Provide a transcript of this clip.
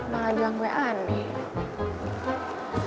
malah bilang gue aneh